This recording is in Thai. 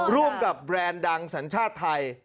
ร่วมกับแบรนด์ดังสัญชาติไทย